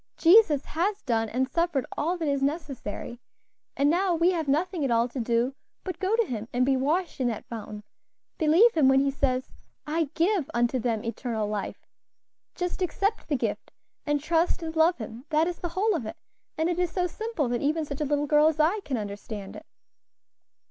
"Jesus has done and suffered all that is necessary; and now we have nothing at all to do but go to Him and be washed in that fountain; believe Him when He says, 'I give unto them eternal life;' just accept the gift, and trust and love Him; that is the whole of it, and it is so simple that even such a little girl as I can understand it."